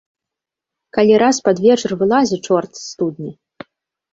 Калі раз пад вечар вылазе чорт з студні!